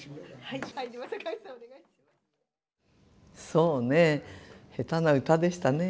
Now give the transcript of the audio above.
そうね下手な歌でしたね。